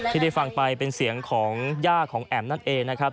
ที่ได้ฟังไปเป็นเสียงของย่าของแอ๋มนั่นเองนะครับ